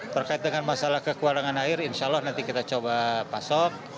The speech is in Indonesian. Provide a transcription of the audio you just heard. terkait dengan masalah kekurangan air insya allah nanti kita coba pasok